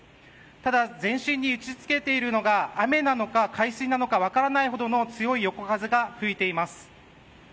ただ、全身に打ち付けているのが雨なのか海水なのか分からないほどの強い横風が吹いています。